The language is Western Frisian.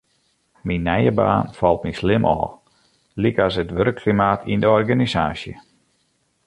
Myn nije baan falt my slim ôf, lykas it wurkklimaat yn de organisaasje.